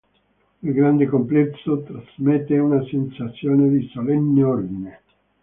Il grande complesso trasmette una sensazione di solenne ordine.